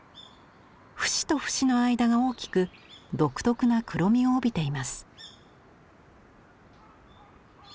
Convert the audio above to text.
節と節の間が大きく独特な黒みを帯びています。